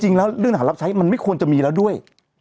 เรื่องอาหารรับใช้มันไม่ควรจะมีแล้วด้วย